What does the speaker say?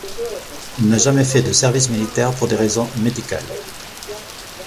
Il n'a jamais fait de service militaire pour des raisons médicales.